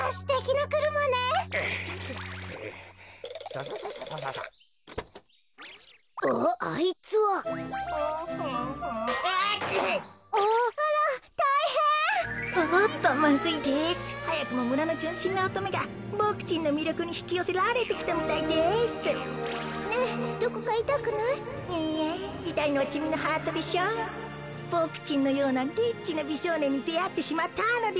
こころのこえボクちんのようなリッチなびしょうねんにであってしまったのですから。